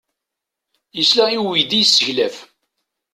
Yesla i uydi yesseglaf.